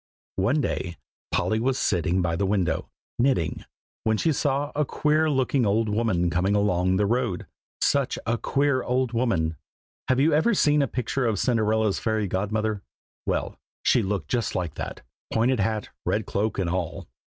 One day Polly was sitting by the window, knitting, when she saw a queer looking old woman coming along the road; such a queer old woman. Have you ever seen a picture of Cinderella's fairy godmother? well, she looked just like that, pointed hat, red cloak, and all.